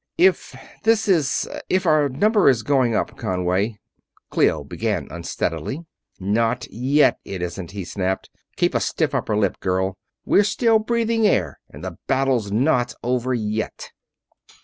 "If this is ... if our number is going up, Conway," Clio began, unsteadily. "Not yet, it isn't!" he snapped. "Keep a stiff upper lip, girl. We're still breathing air, and the battle's not over yet!"